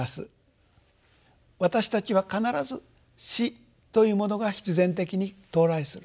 私たちは必ず「死」というものが必然的に到来する。